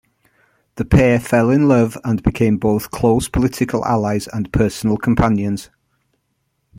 The pair fell in love and became both close political allies and personal companions.